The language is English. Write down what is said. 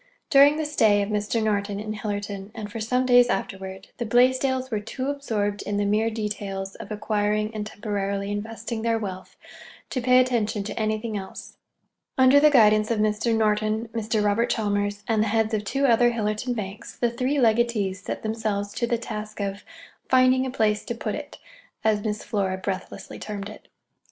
During the stay of Mr. Norton in Hillerton, and for some days afterward, the Blaisdells were too absorbed in the mere details of acquiring and temporarily investing their wealth to pay attention to anything else. Under the guidance of Mr. Norton, Mr. Robert Chalmers, and the heads of two other Hillerton banks, the three legatees set themselves to the task of "finding a place to put it," as Miss Flora breathlessly termed it.